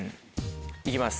行きます。